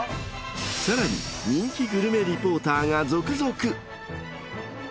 さらに人気グルメリポーターが続々。